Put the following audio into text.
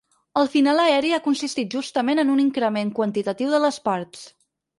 El final aeri ha consistit justament en un increment quantitatiu de les parts.